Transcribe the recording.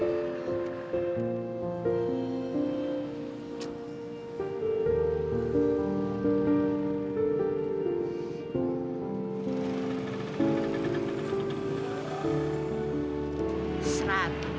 aku emang kecewa banget